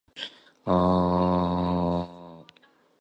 All coelenterates are aquatic, mostly marine.